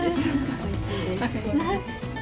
おいしいです。